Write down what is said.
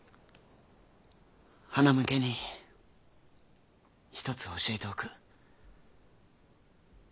はなむけに一つ教えておく。